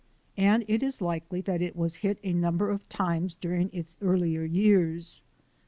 And it is likely that it was hit a number of times during its earlier years.